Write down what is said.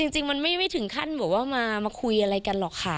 จริงมันไม่ถึงขั้นแบบว่ามาคุยอะไรกันหรอกค่ะ